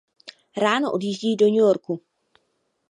Ráno odjíždí do New Yorku.